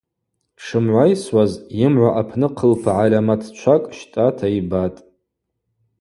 Дшымгӏвайсуаз йымгӏва апны хъылпа гӏальаматчвакӏ щтӏата йбатӏ.